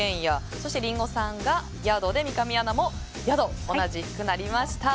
そしてリンゴさんが宿で三上アナも宿となりました。